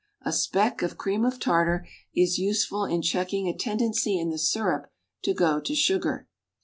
A speck of cream of tartar is useful in checking a tendency in the syrup to go to sugar.